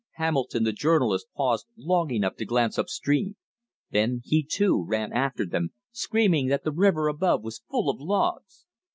Hamilton, the journalist, paused long enough to glance up stream. Then he, too, ran after them, screaming that the river above was full of logs.